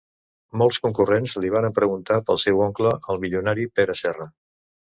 Molts concurrents li varen preguntar pel seu oncle, el milionari Pere Serra